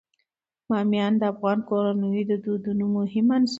بامیان د افغان کورنیو د دودونو مهم عنصر دی.